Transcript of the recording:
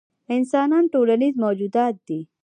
انسانان ټولنیز موجودات دي.